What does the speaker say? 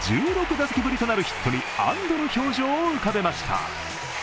１６打席ぶりとなるヒットに安どの表情を浮かべました。